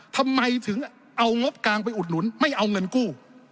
ทำไมถึงเอางบกลางไปอุดหนุนไม่เอาเงินกู้